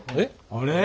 あれ？